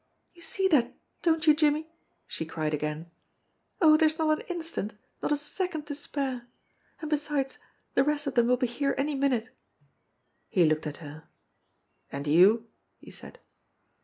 "You see that, don't you, Jimmie ?" she cried again. "Oh, there's not an instant, not a second to spare and besides, the rest of them will be here any minute." He looked at her. "And you ?" he said.